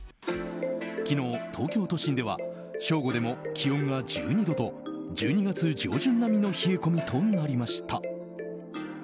昨日、東京都心では正午でも気温が１２度と１２月上旬並みの冷え込みとなりました。